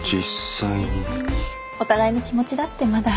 お互いの気持ちだってまだ。